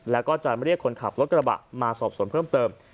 แล้วก็จะเรียกคนขับรถกระบะมาสอบส่วนเพิ่มเติม